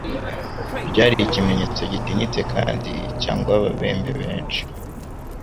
ryari ikimenyetso gitinyitse kandi cyangwa Ababembe benshi